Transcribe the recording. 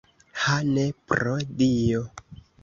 Ha, ne, pro Dio!